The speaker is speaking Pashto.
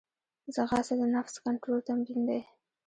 ځغاسته د نفس کنټرول تمرین دی